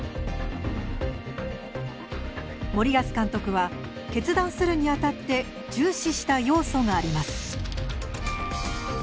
森保監督は決断するにあたって重視した要素があります。